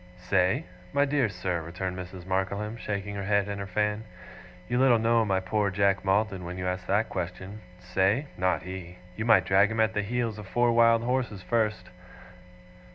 'Say? My dear sir,' returned Mrs. Markleham, shaking her head and her fan, 'you little know my poor Jack Maldon when you ask that question. Say? Not he. You might drag him at the heels of four wild horses first.